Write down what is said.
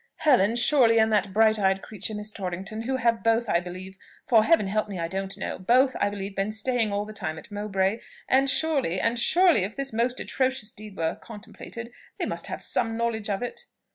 Helen, surely, and that bright eyed creature Miss Torrington, who have both, I believe, (for, Heaven help me, I don't know!) both, I believe, been staying all the time at Mowbray; and surely and surely, if this most atrocious deed were contemplated, they must have some knowledge of it."